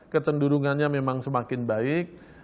kecenderungannya memang semakin baik